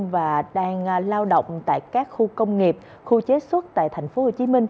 và đang lao động tại các khu công nghiệp khu chế xuất tại tp hcm